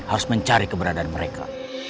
harus mencari keberadaan mereka